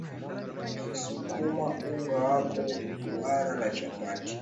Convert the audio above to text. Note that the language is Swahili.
sukuma unga wako duara la chapati